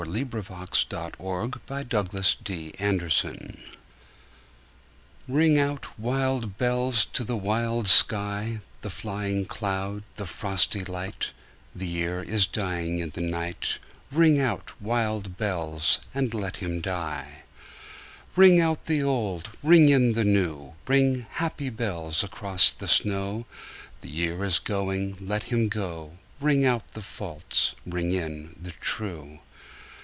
Alfred, Lord Tennyson Ring Out, Wild Bells RING out, wild bells, to the wild sky, The flying cloud, the frosty light; The year is dying in the night; Ring out, wild bells, and let him die. Ring out the old, ring in the new, Ring, happy bells, across the snow: The year is going, let him go; Ring out the false, ring in the true.